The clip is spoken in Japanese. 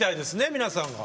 皆さんが。